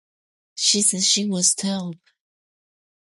Other methods have been described.